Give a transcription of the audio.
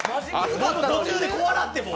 途中で怖なって、もう。